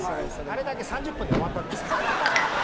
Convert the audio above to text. あれだけ３０分で終わったんです。